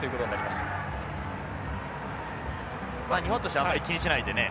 まあ日本としてはあんまり気にしないでね